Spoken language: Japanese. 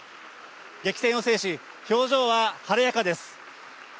激戦を制し、表情は晴れやかです。